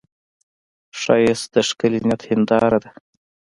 ښایست د ښکلي نیت هنداره ده